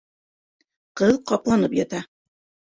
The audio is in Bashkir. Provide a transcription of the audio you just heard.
Ҡыҙ ҡапланып ята.